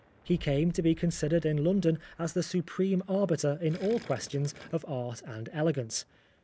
He came to be considered in London as the supreme arbiter in all questions of art and elegance.